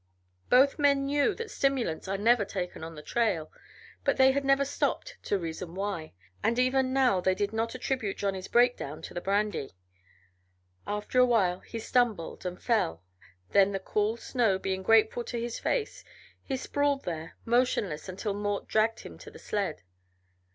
Both men knew that stimulants are never taken on the trail, but they had never stopped to reason why, and even now they did not attribute Johnny's breakdown to the brandy. After a while he stumbled and fell, then, the cool snow being grateful to his face, he sprawled there motionless until Mort dragged him to the sled.